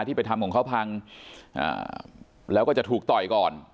ไปทำของเขาพังแล้วก็จะถูกต่อยก่อน